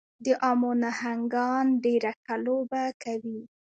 د امو نهنګان ډېره ښه لوبه کوي.